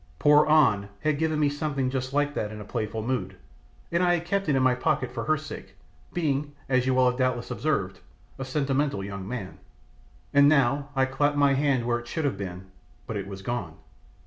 Poor An had given me something just like that in a playful mood, and I had kept it in my pocket for her sake, being, as you will have doubtless observed, a sentimental young man, and now I clapped my hand where it should have been, but it was gone.